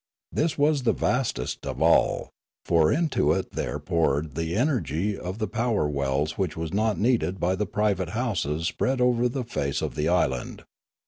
This was vastest of all; for into it there poured the energy of the power wells which was not needed by the private houses spread over the face of the island.